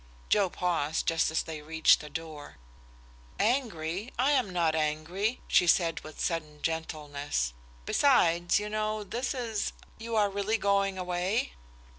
Joe paused just as they reached the door. "Angry? I am not angry," she said with sudden gentleness. "Besides, you know, this is you are really going away?"